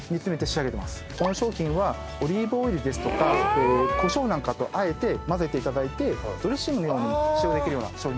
この商品はオリーブオイルですとかこしょうなんかとあえて混ぜていただいてドレッシングのように使用できるような商品です。